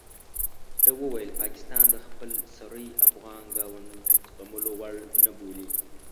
ده وویل پاکستان د خپل سرۍ افغان ګاونډ زغملو وړ نه بولي.